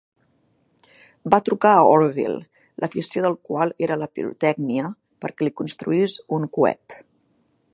Va trucar a Orville, l'afició del qual era la pirotècnia, perquè li construís un coet.